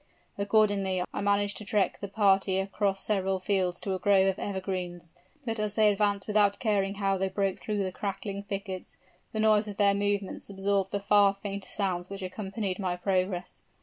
Accordingly I managed to track the party across several fields to a grove of evergreens. But as they advanced without caring how they broke through the crackling thickets, the noise of their movements absorbed the far fainter sounds which accompanied my progress.